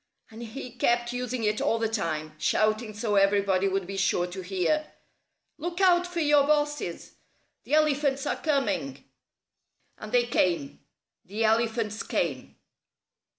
And he kept using it all the time, shouting so everybody would be sure to hear, "Look out for your bosses! The elephants are coming!" And they came. The elephants came.